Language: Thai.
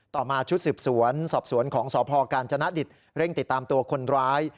ต่อมาชุดสืบสวนสอบสวนของสพกาญจนดิตเร่งติดตามตัวคนร้าย